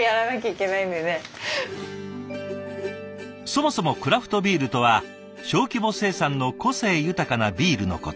そもそもクラフトビールとは小規模生産の個性豊かなビールのこと。